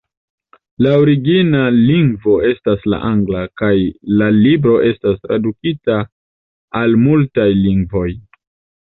La origina lingvo estas la angla, kaj la libro estas tradukita al multaj lingvoj.